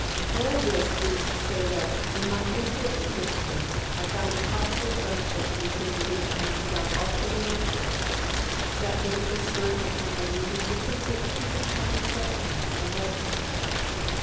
All this is to say that, in my youthful egotism, I found a possible friend ship between Louise and myself altogether natural. That bit of her skirts upon my knees was simply a piece of charming frankness and boldness.